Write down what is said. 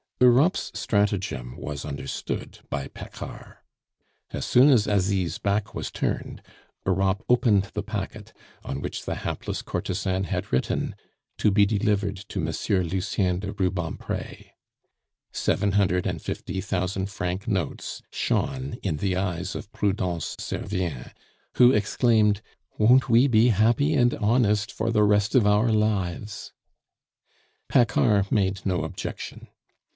Europe's stratagem was understood by Paccard. As soon as Asie's back was turned, Europe opened the packet, on which the hapless courtesan had written: "To be delivered to Monsieur Lucien de Rubempre." Seven hundred and fifty thousand franc notes shone in the eyes of Prudence Servien, who exclaimed: "Won't we be happy and honest for the rest of our lives!" Paccard made no objection.